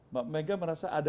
mbak mega merasa ada